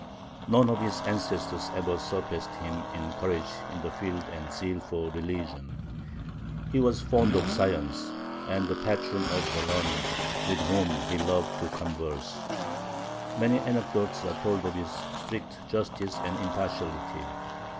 None of his ancestors ever surpassed him in courage in the field and zeal for religion; he was fond of science, and the patron of the learned, with whom he loved to converse." Many anecdotes are told of his strict justice and impartiality.